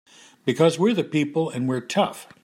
Because we're the people and we're tough!